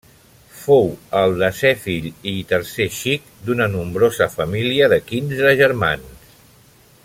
Fou el desè fill i tercer xic d'una nombrosa família de quinze germans.